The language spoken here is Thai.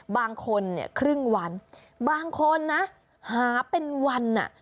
บางคนเนี่ยครึ่งวันบางคนนะหาเป็นวันอ่ะ